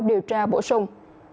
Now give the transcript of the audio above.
điều tra bổ sung